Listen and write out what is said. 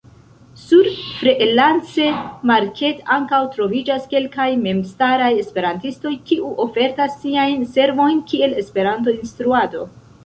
Sur Freelance-Market ankaŭ troviĝas kelkaj memstaraj Esperantistoj kiu ofertas siajn servojn kiel Esperanto-instruado.